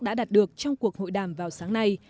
đã đạt được trong cuộc hội đàm vào sáng nay